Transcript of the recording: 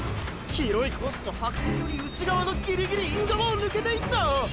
広いコースの白線より内側のギリギリイン側をぬけていった！